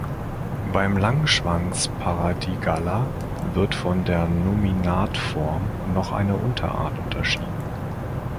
Beim Langschwanz-Paradigalla wird von der Nominatform noch eine Unterart unterschieden.